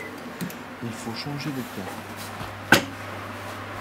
Il faut changer de cap